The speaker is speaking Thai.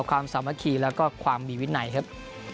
สามัคคีแล้วก็ความมีวินัยครับ